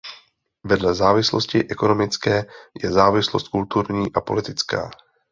Vedle závislosti ekonomické je závislost kulturní a politická.